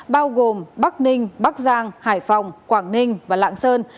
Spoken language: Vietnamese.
bao gồm bắc ninh bắc giang hải phòng quảng ninh và lạng sơn